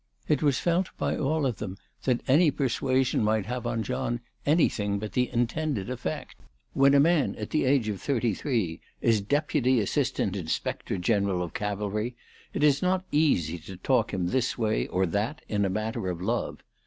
It was felt by all of them that any persuasion might have on John anything but the intended effect. When a man at the age of thirty three is Deputy Assistant Inspector General of Cavalry, it is not easy to talk him this way or that in a matter of love.